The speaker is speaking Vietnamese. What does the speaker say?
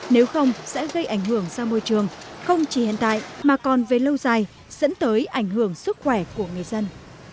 nếu không sẽ gây ảnh hưởng ra môi trường không chỉ hiện tại mà còn về lâu dài dẫn tới ảnh hưởng sức khỏe của người dân